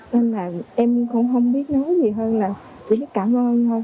nên là em cũng không biết nói gì hơn là chỉ cảm ơn thôi